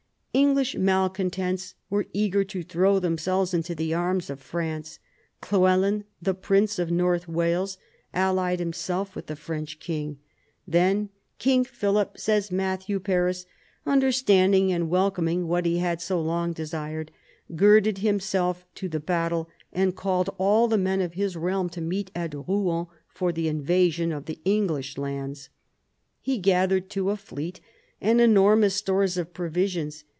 English malcontents were eager to throw themselves into the arms of France. Llewelyn, the prince of North Wales, allied himself with the French king. Then King Philip, says Matthew Paris, understanding and welcoming what he had so long desired, girded himself to the battle, and called all the men of his realm to meet at Rouen for the invasion of the English lands. He gathered too a fleet and enormous stores of provisions.